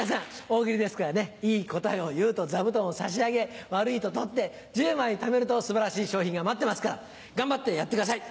大喜利ですからねいい答えを言うと座布団を差し上げ悪いと取って１０枚ためると素晴らしい賞品が待ってますから頑張ってやってください。